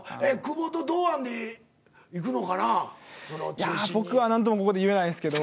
いやぁ僕は何ともここで言えないですけど。